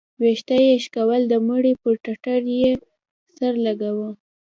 ويښته يې شكول د مړي پر ټټر يې سر لګاوه.